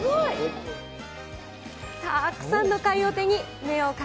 たくさんの貝を手に、目を輝